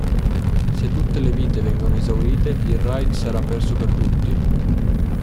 Se tutte le vite vengono esaurite, il Raid sarà perso per tutti.